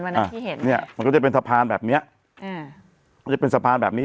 ที่เห็นเนี้ยมันก็จะเป็นสะพานแบบเนี้ยอืมมันจะเป็นสะพานแบบนี้